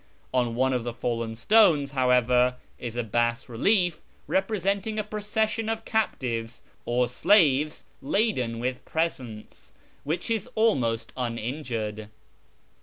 On one of the fallen stones, however, is a bas relief representing a procession of captives or slaves laden with presents, which is almost uninjured.